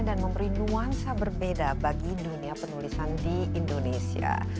dan memberi nuansa berbeda bagi dunia penulisan di indonesia